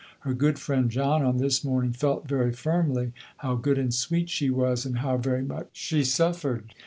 Her good friend John on this morning felt very firmly how good and sweet she was and how very much she suffered.